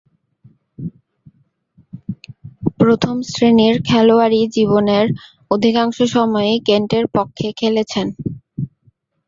প্রথম-শ্রেণীর খেলোয়াড়ী জীবনের অধিকাংশ সময়ই কেন্টের পক্ষে খেলেছেন।